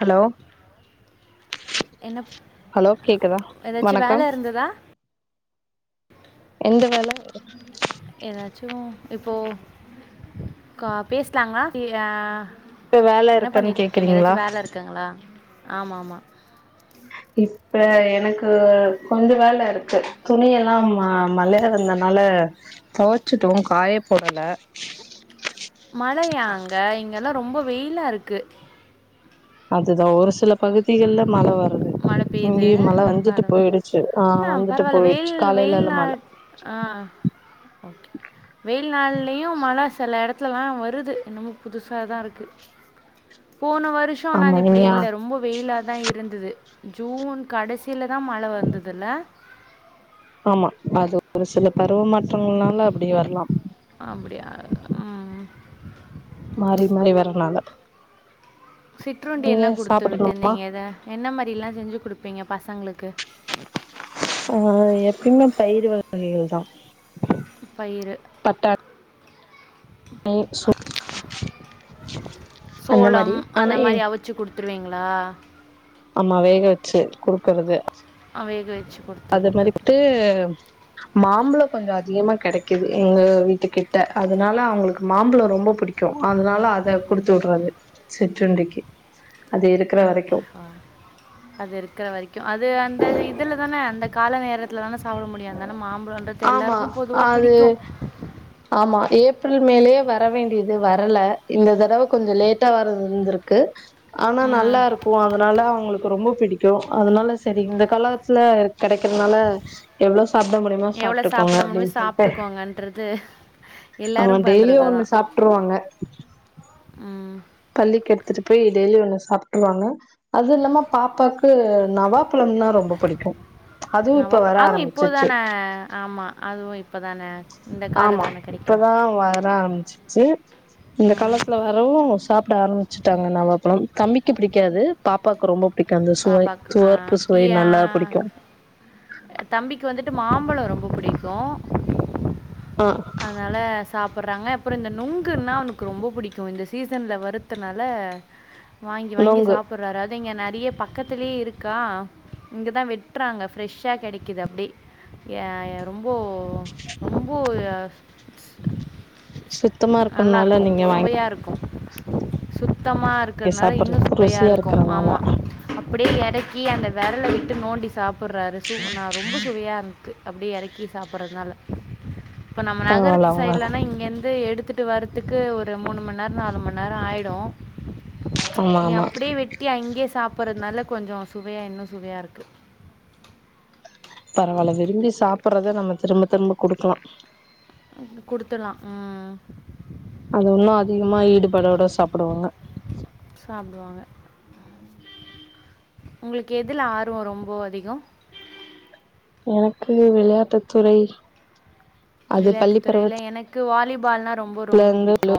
Hello என்ன hello கேக்குதா ஏதாச்சு வணக்கம் வேல இருந்ததா எந்த வேல ஏதாச்சு இப்போ கா பேசலாங்களா ஆ இப்ப வேல என்ன இருக்குன்னு கேக்குறீங்களா ஆமா ஆமா இப்ப எனக்கு கொஞ்ச வேல இருக்கு துணி எல்லா மழையா வந்தனால துவச்சுட்டோ காயப்போடல மழையா அங்க இங்க எல்லா ரொம்ப வெயிலா இருக்கு அதுதா ஒரு சில பகுதிகள்ல மழ வரு மழ பெயுது பரவ போயிடுச்சு ஆ வந்துட்டு பரவாயில்ல வெயில் போயிடுச்சு காலையிலல்ல மழ வெயில்நள் ஆ வெயில் நாள் யும் மழ சில இடத்துலலா வருது என்னமோ புதுசா தா இருக்கு போன வருஷம் ஆனா ஆமா அது இப்படி இங்கயா இல்ல ரொம்ப வெயிலா தா இருந்தது ஜூன் கடைசியிலதா மழ வந்ததுல ஆமா அது ஒரு சில பருவ மாற்றங்கள்னால அப்படி வரலா அப்படியா உம் மாறி மாறி வரனால சிற்றுண்டி நீங்க என்ன குடுத்து சாப்பிடணுமா விட்டுருந்தீங்க இத என்ன மாதிரி எல்லா செஞ்சு கொடுப்பீங்க பசங்களுக் க்கு ஆ எப்பயுமே பயிர் வகைகள் தா பயிறு பட்டாணி அந்த மாரி சோளம் ஆனா அந்த எ மாரி அவிச்சி கொடுத்து இல்லீங்களா ஆமா வேகவச்சு குடு அ வேகவச்சு அது மரிட்டு மாம்பழ கொஞ்ச அதிகமா கெடைக்குது எங்க வீட்டு கிட்ட அதனால அவங்களுக்கு மாம்பழ ரொம்ப புடிக்கு அதனால அத குடுத்து விடுறது சிற்றுண்டிக்கு அது இருக் அ அது இருக்கிற வரைக்கு அது அந்த இதுல தான அந்த கால நேரத்துல தான சாப்பிட முடியாதுனால மாம்பழம்ன்றது ஆமா எல்லாருக்கு பொதுவா அது பிடிக்கு ஆமா ஏப்ரல் மேலயே வர வேண்டியது வரல இந்த தடவ கொஞ்ச லேட்டா வற வந்துருக்கு ஆனா ம். நல்லா இருக்கு அதனால அவங்களு ரொம்போ பிடிக்கூ அதனால சரி இந்த கலர்ஸ்ல கெடைக்கிறதுனால எவ்ளோ சாப்ட முடியுமே எவ்வளோ சாப்ட்டுக்கோங்க சாப்பிட முடியுமோ அப்டின்னு சொல்ட்டு சாப்பிட்டுக்கோங்கன்றது ஆமா எல்லாரும் டெய்லியு பண்ணுறது ஒண்ணு தான் சாப்ட்ருவாங்க ம் பள்ளிக்கு எடுத்துட்டு போயி டெய்லி ஒண்ணு சாப்ட்ருவாங்க அது இல்லாம பாப்பாக்கு நவா பழம்ன்னா ரொம்ப புடிக்கூ அதுவு இப்ப வர நவாப்பழம் அதுவும் இப்போ ஆரம்பிச்சிச்சு தானே ஆமாம் அதுவும் இப்போ தானே இந்த காலத்து ஆமா தானே கிடைக்கும் இப்பதா வர ஆரம்பிச்சிச்சு இந்த ம் காலத்துல வரவு சாப் ம் வச்சுட்டாங்க நவாப்பழம் தம் பிக்கு பிடிக்காது பாப்பாக் கு ரொம்போ பிடிக்கு அந்த சுவை பாப்பா சுவர்ப்பு சுவை நல்லா பிடிக்கு அ தம்பிக்கு வந்துட்டு மாம்பழோ ரொம்போ புடிக்கூ ஆ அதனால சாப்புட்றாங்க அப்புறோ இந்த நுங்குன்னா அவனுக்கு ரொம்போ புடிக்கூ இந்த சீசன்ல வருத்துனால வாங்கி வாங்கி நொங்கு சாப்புட்றாரு அத் திங்க நறிய பக்கத்துலே இருக்கா இங்கதா வெட்றாங்க ஃப்ரெஷ் த்தா கெடைக்கிது அப்டே ஏ யாரோ ரொம்போ ரொம்போ ஒரு சுத்தமா இருக்கன்னால நீங்க வாங் சுத் தமா இருக்த்னால இன்னூ சாப்பட்ற சுவையா ருசியா இருக்கும் இருக்கறனால ஆமா அப்டியே எறக்கி அந்த வெரல விட் டு நோண்டி சாப்புட்ற சு நா ரொம்ப சுவையா இரு ட்டு அப்டியே எறக்கி சாப்பிட்றதுனால இப்ப நம்ம பரவால்ல நகரத்து அவங்க சைட்லன்னா இங்க இந் து எடுத்துட்டு வரத்துக்கு ஒரு மூண் மண்நேரோ நாலுமண்நேரோ ஆயி டோ ஆமா நீ ஆமா அப்புடே வெட்டி அங்கியே ஸ் சாப்புற்றதுனால கொஞ்சோ சுவையா இன்னு சுவையா இருக்கு பரவால்ல விரும்பி சாப்புறத நம்ம திரும்ப திரும்ப குடுக்குலா [unintelligible] குடுத்துல்லா ம் அது உன்னோ அதிகமா ஈடுபாடோட சாப்புடுவாங்க சாப்பிடுவாங்க உங்களுக்கு எதுல ஆர்வோ ரொம்போ அதிகோ எனக்கு விளையாட்டுத்துறை விளையாட்டுத்துறையில எனக்கு கு வாலிபால்னா ரொம்ப ரொம்ப பிடிக்கு இருந்து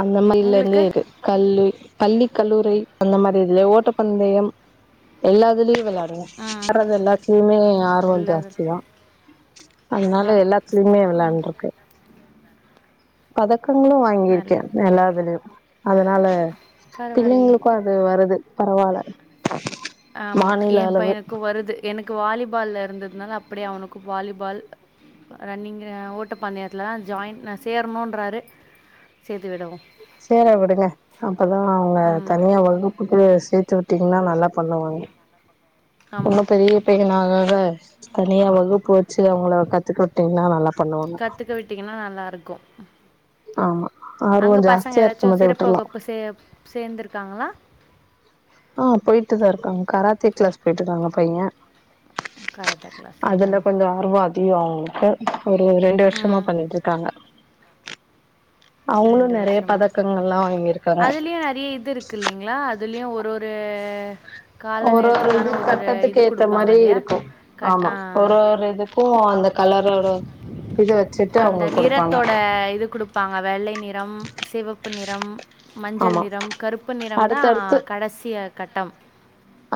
அந்த மாரில இருந்து இருக்கு கல்லூ பள்ளி கல்லூரி ரி அந்த மாரி இல்ல ஓட்டப்பந்தயம் எல்லாதுலயு வெளா டலா ம் வர்றது எல்லாத்தலயுமே ஆர்வோ எல்லா ஜாஸ்திதா ஸ் அதனால ஆர்வம் எல்லாத்துலயுமே வெளாண்டுருக்கே கதக் பக்கங்களு வாங்கிருக்கே நல்லது எல்லாதுலுயு அதனால பரவாயில்லையே பிள்ளைங்களுக்கு அது வருது பரவால்ல ஆமா மாநில எ அளவு பையனுக்கு வருது எனக்கு வாலிபால்ல இருந்து தனால அப்டியே அவனுக்கு வாலிபால் ரன்னிங் ஓட்டப்பந்தயத்துல ஜாயின் நா சேரணுன்றாரு சேத்து விடவோ சேர விடுங்க அப்பதா அவங்க ம் தனியா வகுப்புக்கு சே த்து விட்டீங்கன்னா நல்லா பண்ணுவாங்க ரொம்ப ஆமாம் பெரிய பையனாகு னு தனியா வகுப்பு வெச்சு அவங்கள கத்துக்க விட்டீங்கன்னா நல்லா பண்ணுவாங்க கத்துக்க விட்டீங்கன்னா நல்லா இருக்கு ஆமா ஆர்வோ அங்க பசங்க ஜாஸ்தியா ஏதாச்சு இருக்கும் போதே சிறப்பு விட்டுர்லா வகுப்பு சே சேர்ந்திருக்காங்களா ஆ போயிட்டுதா இருக்காங்க கராத்தே கிளாஸ் போயிட்டுருக்காங்க பைய கராத்தே கிளாஸுங்களா அதுல கொஞ்சோ ஆர்வோ அதிகோ இப்ப ஒரு ரெண்டு வருஷமா ம் பண்ணிட்டு இருக்காங்க அவங்களு ரெண்டு நெறைய வருஷமா பதக்கங்கள்லா வாங்கியிருக்காங்க அதுலயே நெறைய இது இருக்கு இல்லைங்களா அ துலயு ஒரு ஒரு கால ஒரு ஒரு இது நேரத்துக்கான ஒரு கட்டத்துக்கு இது ஏத்த கொடுப்பாங்க மாரி இல்லையா இருக்கு கட் ஆமா ஆ, ஒரு ஒரு இதுக்கு அந்த கலரோட இத வச்சுட்டு அந்த அவங்க குடுப்பாங்க நிறத்தோட இது குடுப்பாங்க வெள்ளை நிறம் சிவப்பு நிறம் மஞ்சள் ஆமா நிறம் கருப்பு நிறம்தா அடுத்தடுத்து கடசி அ கட்டம்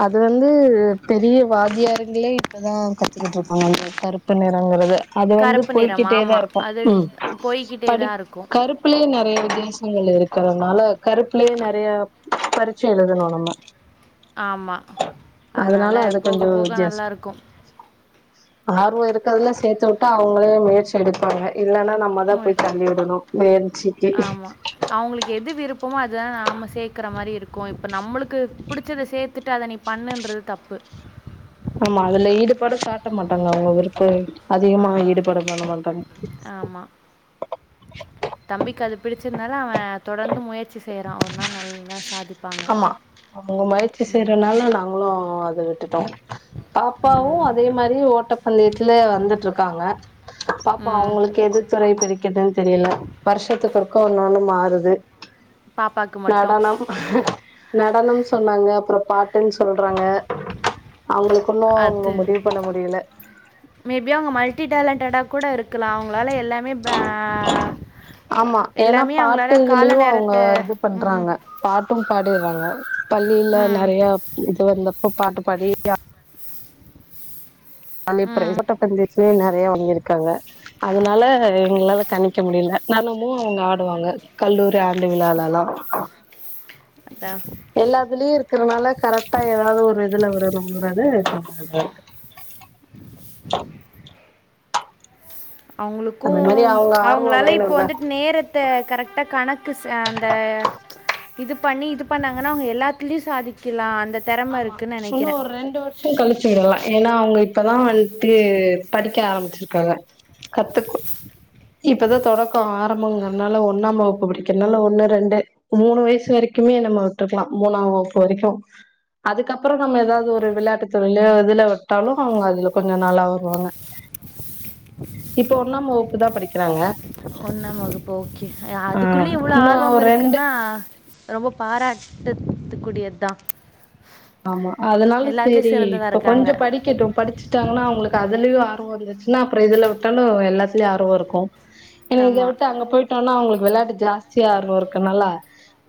அது வந்து பெரிய வாத்தியாருங்களே இப்ப ட்ர தா கத்துக்கிட்ருக்காங்க கருப்பு நிறோங்கறத அது வந்து கருப்பு நிறம் போய்கிட்டே தா ஆமாம் இருக்கு அது ம் போய்க்கிட்டே படி தான் இருக்கும் கருப்புலயே நெறைய தேசங்கள் இருக்கறனால கருப்புலயே நெறைய பரிட்ச எழுதணு நம்ம ஆமா அதனால அது போக கொஞ்சோ போக நல்லா இருக்கு ஆர்வ இருக்கறதுல சேத்து உட்டா அவுங்களே முயற்சி எடுப்பாங்க இல்லன்னா நம்மதா இருக்கும் போய் தள்ளிஉடணு வேன்ச்சிக்கு ஆமா. சேக்கற மாரி இருக்கு இப்ப நம்மளுக்கு புடிச்சத சேத்துட்டு அத நீ பண்ணுன்றது தப்பு ஆமா அதுல ஈடுபாடு காட்ட மாட்டாங்க அவுங்க விருப்பு ஆ அதிகமா இப் ஈடுபடலா மாட்டாங்க ஆமா. பிடிச்சிதுனால அவ தொடர்ந்து முயற்சி செ ய்யறா ஒரு நாள் நல்லா சாதி ஆமா அவங்க முயற்சி செய்றனால நாங்களு அத விட்டுட்டோ பாப்பாவு ம். அதே மாரி ஓட்ட பந்தயத்துல வந்துட்ருக்காங்க பாப்பா ம். அவுங்களுக்கு எது துறை பிடிக்கிதுன் தெரில வருஷத்துக்கு ஒருக்கா ஒன்னொன்னு மாறுது பாப்பாக்கு மட்டு நடனம் நடனம் சொன்னாங்க அப்புற பாட்டுனு சொல்றாங்க அவுங்களுக்கு இன்னு அவுங்க அது முடிவு பண்ண முடில மேபி அவங்க மல்டி டேலண்டடா கூட இருக்கலா அவுங்களால எல்லாமே பே ஆமா ஏன்னா எல்லாமே பாட்டு அவங்களால கால இதுலயு நேரத்த ம் ம் பாடிர்றாங்க பள்ளில ம். நெறைய இது வந்த ப்ப பாட்டு பாடி யா ம். [unintelligible] நெறையா வாங்கிருக்காங்க அதனால எங்களால கணிக்க முடில தெனமு அவுங்க ஆடுவாங்க கல்லூரி ஆண்டு விழாலலா அதான். எல்லாத்துலயு இருக்கறனால கரெக்டா எதாவுது ஒரு இதுல விடனுங்றாரு பாப்பாவ அதா அவுங்களுக்கு மாரி அவங்க ஆர்வோ அவுங்களால இப்போ வேணுல்ல வந்துட்டு நேரத்த கரெக்டா கணக்கு ச அந்த இது பண்ணி இது பண்ணாங்கனா அவுங்க எல்லாத்துலயு‌ சாதிக்கிலா ஆமா இன்னு ஒரு ரெண்டு வருஷோ கழிச்சு விடலா ஏனா அவுங்க இப்பதா வந்ட்டு படிக்க ஆரம்பிச்சிருக்காங்க கத்துக்கு இப்பதா தொடக்கோ ஆரம்போங்கனால ஒண்ணாம் வகுப்பு படிக்கிறனால ஒண்ணு ரெண்டு மூணு வயசு வரைக்குமே நம்ம விட்ருக்லா மூணா வகுப்பு வரைக்கு அதுக்கப்றோ நம்ம எதாவுது ஒரு விளாட்டு துறைலயோ இதுல உட்டாலு அவுங்க அதுல கொஞ்சோ நல்லா வருவாங்க இப்ப ஒண்ணாம் வகுப்புதா படிக்கறாங்க ஒண்ணாம் வகுப்பு ஓகே அதுக்குள்ளயு இவ்ளோ இன்னு ஆர்வம் ஒரு ரெண்டு இருக்குன்னா ரொம்ப பாராட்டுத்துக்குடியது தா ஆமா அதனால சேரி சிறந்ததாக இப்போ இருக்காங்க கொஞ்சோ படிகட்டு படிச்சுட்டாங்கன்னா அவுங்களுக் கு அதுலயு ஆர்வோ இருந்துச்சுன்னா அப்றோ இதுல விட்டோனா எல்லாத்துலயு ஆர்வோ இருக்கு இங்க ஆமாம் விட்டு அங்க போய்ட்டோனா அவுங்களுக்கு வெளாட்டு ஜாஸ்தியா ஆர்வோ இருக்கனால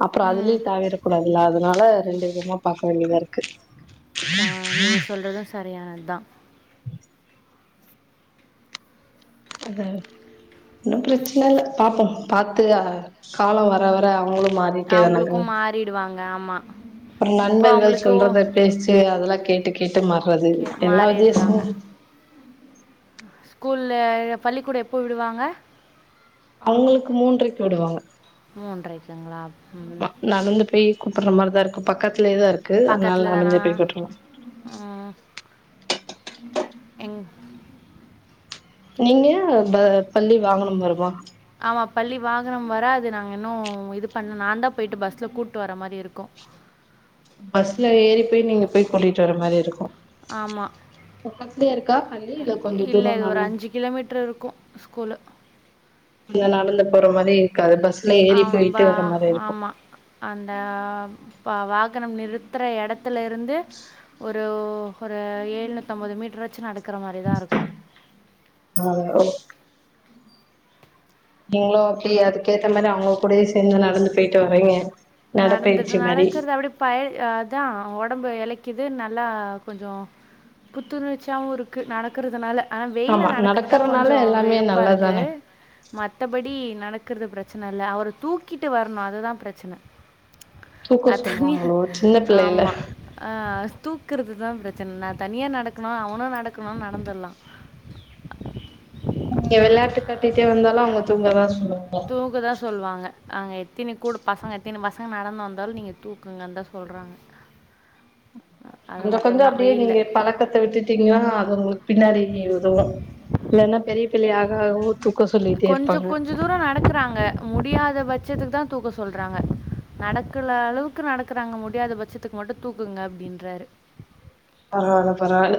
அப்றோ ம் அதுலயே தாவிற கூடாது இல்ல அதனால ரெண்டு விதமா பாக்க வேண்டியதா இரு க்கு கா நீங்க சொல்றது சரியானது தா அது ஒண்ணு பிரச்சன இல்ல பாப்போ‌ பாத்து காலோ வர வர அவுங்ளு மாறிட்டே தானங்க ம் அவங்களுக்கும் மாறிடுவாங்க ஆமாம் அப்றோ இப்போ நண்பர்கள் அவங்களுக்கு ஓ- சொல்றத பேச்சு அதெல்லா கேட்டு கேட் டு மாறது கே எல்லா வித்யாசமு ஸ்கூல்ல பள்ளிக்கூடோ எப்போ விடுவாங்க அவுங்களுக்கு மூன்றைக்கு விடுவாங்க மூன்றைக்குங்ளா ம் கூப்புற மாரிதா இரு பக்கத்திலயேதா இருக்கு அதனால பக்கத்தில் தானா நடந்தே போய் போட்றுலா ம் எங் நீங்க அ ப பள்ளி வாகனம் வருமா ஆமா பள்ளி வாகனம் வராது நாங்க இன்னு இது பண்ண நான்தா போயிட்டு பஸ்ல கூப்ட்டு வர்ர மாரி இருக்கு பஸ்ல ஏறி போய் நீங்க போய் கூட்டி ட்டு வர மாரி இருக்கு ஆமாம் பக்கத்தலயே இருக்கா பள்ளி இல்ல கொஞ்சோ இல்லை தூரோ இது ஒரு நடந்து அஞ்சு கிலோமீட்டர் இருக்கும் ஸ்கூலு அப்டியே நடந்து போற மாரி காது பஸ் ஆம்பா ஆமா அந்த பா வாக் நம்ம நிறுத்தற எடத்துல இருந்து ஒரு ஒரு ஏழ்நூத்தம்பது மீட்டர் ஆச்சு நட ஆ ஓக் நீங்களு ஓகே அதுக்கேத்த மாரி அவுங்க கூடயே சேந்து நடந்து போயிட்டு வரீங்க நடந்துடு நடப்பயிற்சி மாரி நடக்கறது அப்டியே பழ அதா ஒடம்பு எழக்கிது நல்லா கொஞ்சோ புத்துணர்ச்சியாவு இருக்கு நடக்கறதுனால ஆனா வெய்யில ஆமா நடக்கறுதுதா நடக்கறனால கொஞ்சோ எல்லாமே வெறுப்பா இருக்கு நல்லதுதானே மத்தபடி நட நடக்கறது பிரச்சன இல்ல அவர தூக்கிட்டு வரணு அதுதா பிரச்சன தூக்க சொல்லுவாங்களோ சின்ன பிள்ளயில்ல தூக்குறதுதா ப்ரச்சன் நா தனியா நடக்கணு அவனு நடக்குண்னா நடந்துர்லா நீங்க வெளாட்டு காட்டிட்டே வந்தாலு அவுங்க தூக்கதா சொல்லு தூக்கதா சொல்வாங்க அங்க எத்தனி கூட பசங்க எத்தினி பசங்க நடந்து வந்தால் நீங்க தூக்குங்கன் தா சொல்றாங்க அது கொஞ்சக் கொஞ்சொ மட்டும்தான் அப்டியே நீங்க வெயில்ல பழக்கத்த விட்டுட்டீங்னா அது உங்களுக்கு பின்னாடி உதவு இல்லன்னா பெரிய பிள்ளை ஆ [unintelligible] கொஞ்சக் கொஞ்ச தூரொ நடக்குறாங்க முடியாத பட்சத்துக்குதா தூக்க சொல்றாங்க நடக்குல அளவுக்கு நடக்குறாங்க முடியாத பட்சத்துக்கு மட்டு தூக்குங்க அப்டின்றாரு பரவால்ல பரவால்ல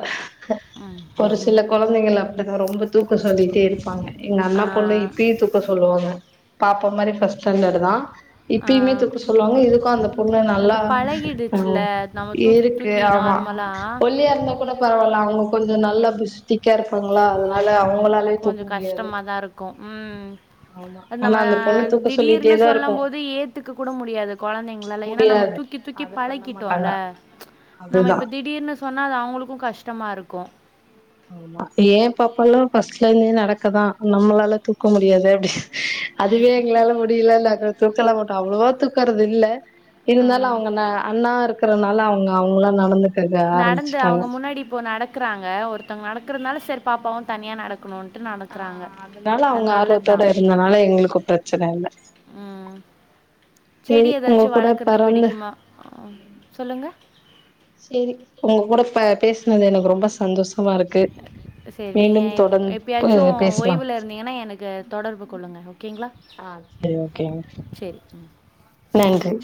ஒரு ம். சில கொழந்தைங்கள் அப்டிதா ரொம்ப தூக்க சொல்லிட்டே இருப்பாங்க எங்க அண்ணா பொண்ணு ஆஹ் இப்பயே தூக்க சொல்லுவாங்க பாப்பா மாரி ஃபர்ஸ்ட் ஸ்டாண்டடு தா இப்பயுமே ஆஹ் தூக்க சொல்லுவாங்க இதுக்கு அந்த பொண்ணு அது நல்லா பழகிடுச்சுல ம் நம்ம தூக்கி இருக்கு தூக்கி ஆமா நார்மலா ஒல்லியா இருந்தா கூட பரவால்ல அவுங்க கொஞ்சொ நல்லா புஷ்டிக்கா இருப்பாங்ளா அதுனால அவ ங்களாலயே தூக்க கொஞ்சம் முடியாது கஷ்டமா தான் இருக்கும் ம் ஆமா ஆனா நம்ம அந்த பொண்ணு தூக்க திடீர்னு சொல்லிட்டேதா சொல்லம் இருக்கு போது ஏத்துக்கக் கூட முடியாது கொழந்தைங்களால ஏன்னா நம்ம முடியாது தூக்கி தூக்கி அது பண்ண மாட்டாங்க பழக்கிட்டோல்ல நம்ம அதுதா இப்ப திடீர்னு சொன்னா அது அவுங்களுக்கு கஷ்டமா இருக்கு ஆமா ஏ பாப்பால்லா ஃபர்ஸ்ட்லேந்தே நடக்கதா நம்ளால தூக்க முடியாது அப்டி அதுவே எங்ளால முடியிலனாக் கூ தூக்கலா மாட்டோ அவ்ளோவா தூக்கறது இல்ல இருந்தாலு ம் அவுங்க ந அண்ணா இருக்கறனா ல அவுங்க அவுங்களா நடந்துக் நடந்து அ க்குறாங்க ஒருத்தவங்க நடக்குறத்னால சேரி பாப்பாவு தனியா நடக் ஆ அதுனால அவுங்க நல்லதுதான். ஆர்வத்தோட இருந்தனால எங்களுக்கு ப்ரச்சன இல்ல ம் செடி சேரி உங்க ஏதாச்சு கூட வளக்குறது பெறந்து பிடிக்கிமா ஆ சொல்லுங்க சேரி உங்கக் கூட ப பேஸ்னது எனக்கு ரொம்ப சந்தோஸ் சேரி நீங்க எப் தொடர்ந்து எப்பயாச்சு பேசலா ஓய்வுல இருந்தீங்கன்னா எனக்கு தொடர்பு கொள்ளுங்க ஓகேங்களா ஆ சேரி ஓகேங்க சேரி நன்றி